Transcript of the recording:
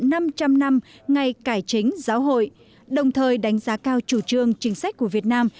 năm trăm linh năm ngày cải chính giáo hội đồng thời đánh giá cao chủ trương chính sách của việt nam